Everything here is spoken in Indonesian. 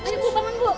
ibu pangan bu